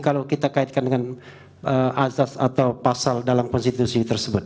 kalau kita kaitkan dengan azas atau pasal dalam konstitusi tersebut